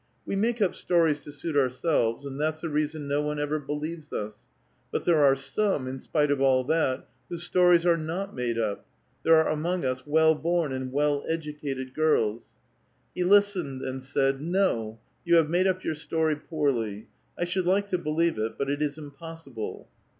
We make up stories to suit ourselves, and that's the reason no one ever believes us ; but there are some, in spite of all that, whose stories are not made up ; there are among us well born and well educated girls. He listened, and said :' No ; you have made up your story poorly. I should like to believe it, but it is impossible.'